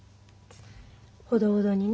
ほどほどにね。